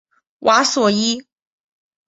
瓦索伊。